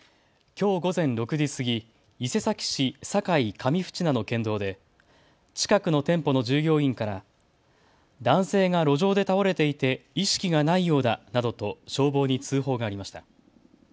きょう午前６時過ぎ、伊勢崎市境上渕名の県道で近くの店舗の従業員から男性が路上で倒れていて意識がないようだなどと消防に通報がありました。